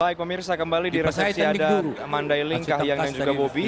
baik pak mir saya kembali di resepsi ada mandailing kahiyang dan juga bobi